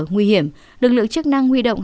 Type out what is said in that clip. nguy hiểm lực lượng chức năng huy động